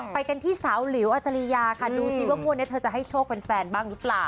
ไปกันที่สาวหลิวอาจริยาค่ะดูสิว่างวดนี้เธอจะให้โชคเป็นแฟนบ้างหรือเปล่า